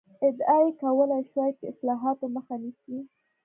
ادعا یې کولای شوای چې اصلاحاتو مخه نیسي.